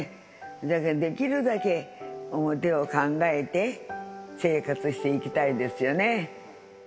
だけどできるだけ表を考えて、生活していきたいですよね。